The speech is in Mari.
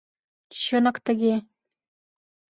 — Чынак тыге...